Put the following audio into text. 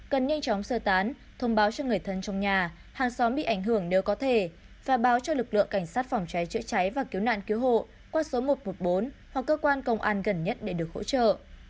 cần nhanh chóng sơ tán thông báo cho người thân trong nhà hàng xóm bị ảnh hưởng nếu có thể và báo cho lực lượng cảnh sát phòng cháy chữa cháy và cứu nạn cứu hộ qua số một trăm một mươi bốn hoặc cơ quan công an gần nhất để được hỗ trợ